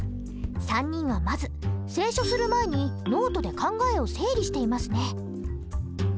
３人はまず清書する前にノートで考えを整理していますね。